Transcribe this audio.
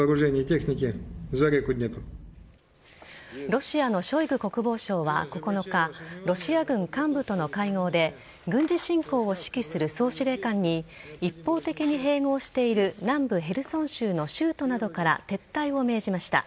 ロシアのショイグ国防相は９日ロシア軍幹部との会合で軍事侵攻を指揮する総司令官に一方的に併合している南部・ヘルソン州の州都などから撤退を命じました。